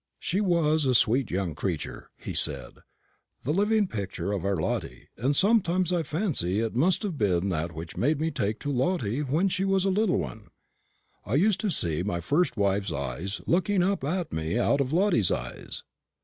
"She was a sweet young creature," he said; "the living picture of our Lottie, and sometimes I fancy it must have been that which made me take to Lottie when she was a little one. I used to see my first wife's eyes looking up at me out of Lottie's eyes.